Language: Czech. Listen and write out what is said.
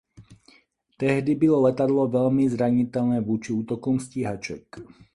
Tehdy bylo letadlo velmi zranitelné vůči útokům stíhaček.